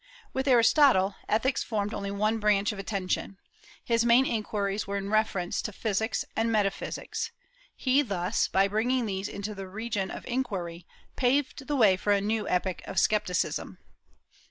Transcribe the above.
With Aristotle, ethics formed only one branch of attention; his main inquiries were in reference to physics and metaphysics. He thus, by bringing these into the region of inquiry, paved the way for a new epoch of scepticism.